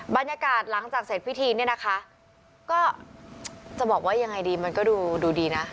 บรรยากาศหลังจากเสร็จพิธีเนี่ยนะคะก็จะบอกว่ายังไงดีมันก็ดูดีนะ